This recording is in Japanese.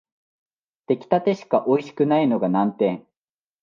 出来立てしかおいしくないのが難点